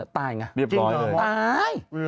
ตายไงตาย